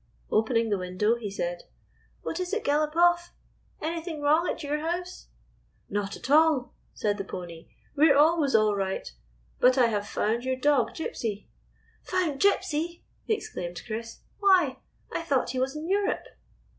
Opening the window, he said :" What is it, Galopoff? Anything wrong at your house ?"" Not at all," said the pony. " We 're always all right. But I have found your dog Gypsy." " Found Gypsy!" exclaimed Chris. "Why, I thought he was in Europe."